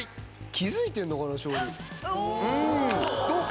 気付いてんのかな？